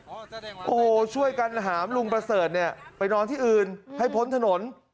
โอ้โหช่วยกันหามลุงประเสริฐเนี่ยไปนอนที่อื่นให้พ้นถนน